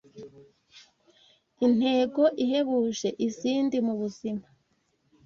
Intego ihebuje izindi mu buzima